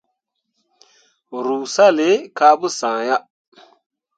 Ruu salle kah pu sã ah.